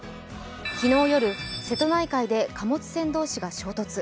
昨日夜、瀬戸内海で貨物船同士が衝突。